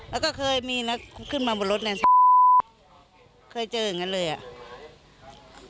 แล้วก็เคยมีนักขึ้นมาบนรถเนี่ยเคยเจอกันเลยอ่ะ